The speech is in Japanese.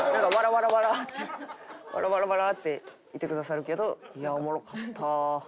ワラワラワラっていてくださるけどいやおもろかった。